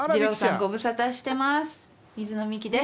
ご無沙汰してます。